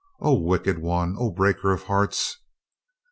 "O wicked one! O breaker of hearts!"